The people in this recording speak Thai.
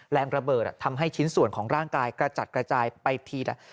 แรงระเบิดทำให้ชิ้นส่วนของร่างกายกระจัดกระจายไปทีละ